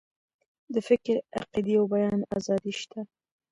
د فکر، عقیدې او بیان آزادي شته.